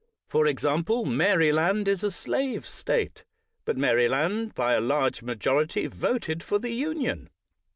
For example, IMaryland is a slave State; but Mary land, by a large majorits', voted for the Union.